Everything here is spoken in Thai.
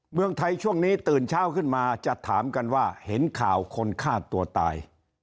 เมืองไทยช่วงนี้ตื่นเช้าขึ้นมาจะถามกันว่าเห็นข่าวคนฆ่าตัวตาย